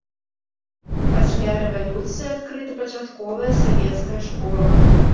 Пасля рэвалюцыі адкрыта пачатковая савецкая школа.